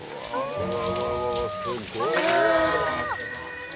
うわ